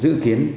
của các tỉnh